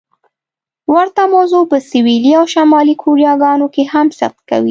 ورته موضوع په سویلي او شمالي کوریاګانو کې هم صدق کوي.